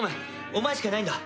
お前しかいないんだ。